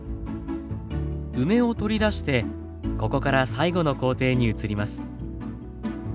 梅を取り出してここから最後の工程に移ります。